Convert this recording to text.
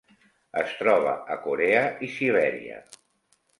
Es troba a Corea i Sibèria.